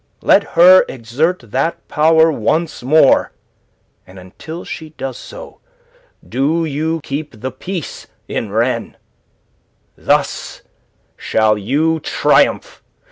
Let her exert that power once more, and until she does so do you keep the peace in Rennes. Thus shall you triumph.